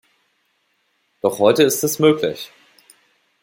Doch heute ist es möglich.